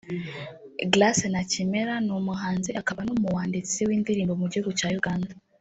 Grace Nakimera ni umuhanzi akaba n’umuwanditsi w’indirimbo mugihugu cya Uganda